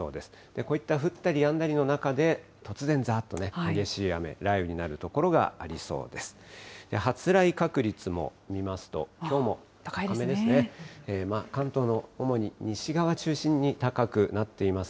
こういった降ったりやんだりの中で、突然ざーっと激しい雨、雷雨になる所がありそうです。